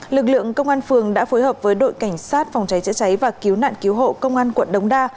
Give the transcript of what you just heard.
lực lượng công an phường đã phối hợp với đội cảnh sát phòng cháy chữa cháy và cứu nạn cứu hộ công an quận đống đa